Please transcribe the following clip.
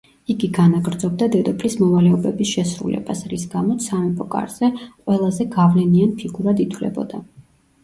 იგი განაგრძობდა დედოფლის მოვალეობების შესრულებას, რის გამოც სამეფო კარზე ყველაზე გავლენიან ფიგურად ითვლებოდა.